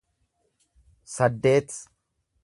saddeet